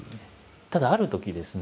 ただあるときですね